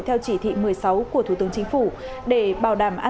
theo chỉ thị một mươi sáu của thủ tướng chính phủ